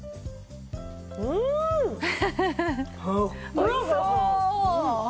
おいしそう。